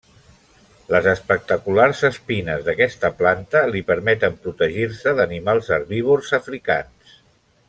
Les espectaculars espines d'aquesta planta li permeten protegir-se d'animals herbívors africans.